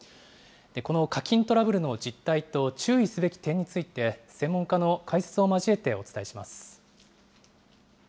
この課金トラブルの実態と注意すべき点について、専門家の解説を交えてお伝えします。